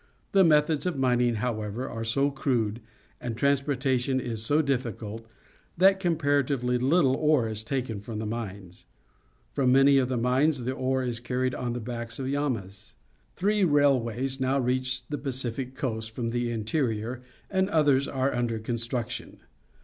The methods of mining, how ever, are so crude, and transportation is so difficult, that comparatively httle ore is taken from the mines. From many of the mines the ore is carried on the backs of llamas. Three railways now reach the Pacific coast from the interior, and others are under construction.